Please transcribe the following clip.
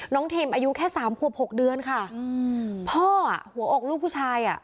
เทมอายุแค่สามควบหกเดือนค่ะอืมพ่ออ่ะหัวอกลูกผู้ชายอ่ะ